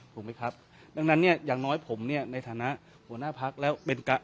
ดังนั้นอย่างน้อยผมในฐานะหัวหน้าพักษณ์